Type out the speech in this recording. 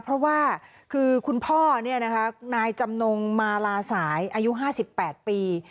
เพราะว่าคือคุณพ่อนายจำนงมาลาสายอายุ๕๘ปี